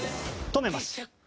「止めます」？